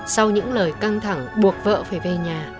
sau những lời căng thẳng buộc vợ phải về nhà